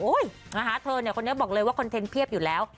นะคะเธอเนี่ยคนนี้บอกเลยว่าคอนเทนต์เพียบอยู่แล้ว